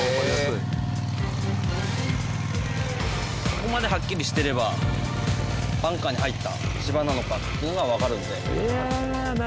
ここまではっきりしていればバンカーに入った芝なのかっていうのがわかるので。